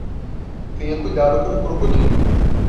Tenha cuidado com o crocodilo.